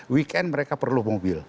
weekend mereka perlu mobil